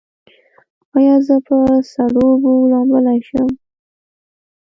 ایا زه په سړو اوبو لامبلی شم؟